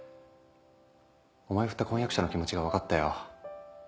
お前フッた婚約者の気持ちが分かったよ。